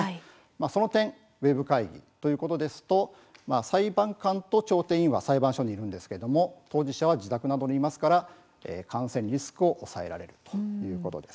その点ウェブ会議ということですと裁判官と調停委員は裁判所にいるんですが当事者は自宅などにいますから感染リスクを抑えられるということです。